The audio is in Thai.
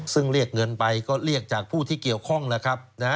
ซึ่งเรียกเงินไปก็เรียกจากผู้ที่เกี่ยวข้องแล้วครับ